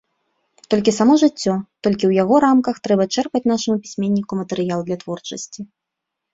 Толькі само жыццё, толькі ў яго рамках трэба чэрпаць нашаму пісьменніку матэрыял для творчасці.